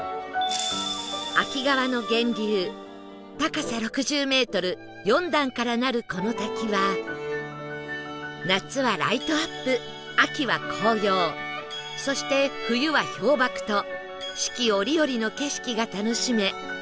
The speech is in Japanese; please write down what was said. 秋川の源流高さ６０メートル４段からなるこの滝は夏はライトアップ秋は紅葉そして冬は氷瀑と四季折々の景色が楽しめ